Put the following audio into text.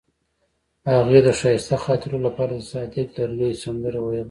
هغې د ښایسته خاطرو لپاره د صادق لرګی سندره ویله.